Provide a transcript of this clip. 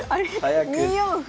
２四歩。